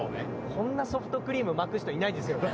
こんなソフトクリーム巻く人いないですよね